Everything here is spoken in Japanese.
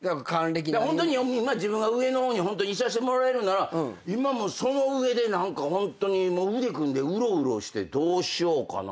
ホントに今自分が上の方にいさせてもらえるなら今もうその上で何かホントに腕組んでうろうろしてどうしようかな。